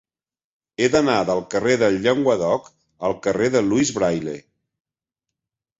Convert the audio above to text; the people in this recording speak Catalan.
He d'anar del carrer del Llenguadoc al carrer de Louis Braille.